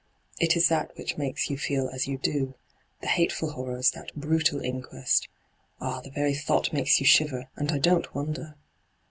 It is that which makes you feel as you do —■ the hateftil horrors, that brutal inquest. Ah, the very thought makes you shiver, and I don't wonder